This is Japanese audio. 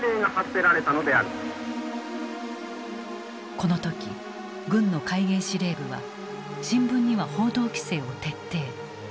この時軍の戒厳司令部は新聞には報道規制を徹底。